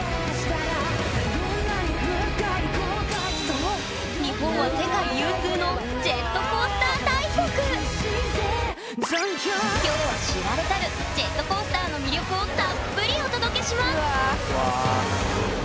そう日本は世界有数のきょうは知られざるジェットコースターの魅力をたっぷりお届けします！